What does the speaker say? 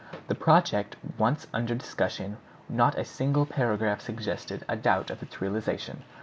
The project once under discussion, not a single paragraph suggested a doubt of its realization.